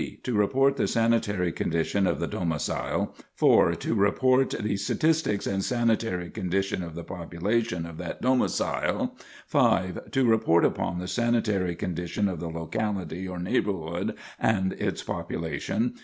To report the sanitary condition of the domicil. 4. To report the statistics and sanitary condition of the population of that domicil. 5. To report upon the sanitary condition of the locality or neighborhood and its population.